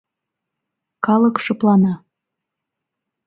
Калык шыплана.